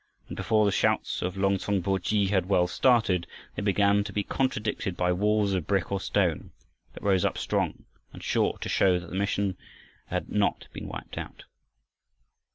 And before the shouts of "Long tsong bo khi" had well started, they began to be contradicted by walls of brick or stone that rose up strong and sure to show that the mission had not been wiped out.